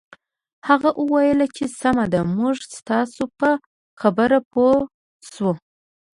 هغې وویل چې سمه ده موږ ستاسو په خبره پوه شوو